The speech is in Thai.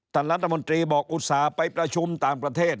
ท่านรัฐมนตรีบอกอุตส่าห์ไปประชุมต่างประเทศ